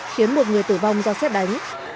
khiến một người tử vong do xét đánh